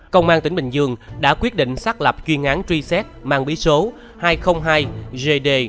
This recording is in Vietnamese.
công an tỉnh bình dương đã quyết định xác lập chuyên án truy xét mang bí số hai trăm linh hai gd